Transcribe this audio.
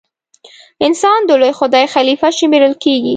انسان د لوی خدای خلیفه شمېرل کیږي.